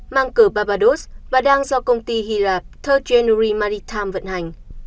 mang cờ barbados và đang do công ty hy lạp ba rd january maritime vận hành